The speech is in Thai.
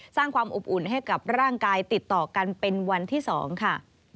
สร้างความอบอุ่นให้กับร่างกายติดต่อกันเป็นวันที่๒ค่ะ